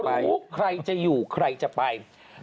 เดี๋ยวก็รู้ใครจะอยู่ใครจะไป